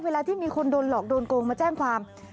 เวลาที่มีคนโดนหลอกโดนโกงมาแจ้งความ